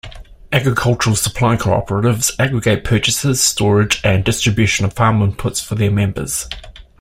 Agricultural supply cooperatives aggregate purchases, storage, and distribution of farm inputs for their members.